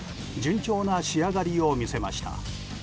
順調な仕上がりを見せました。